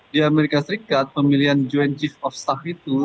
di amerika serikat pemilihan joint chief of staff itu